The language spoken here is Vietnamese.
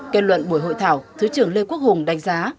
kết luận buổi hội thảo thứ trưởng lê quốc hùng đánh giá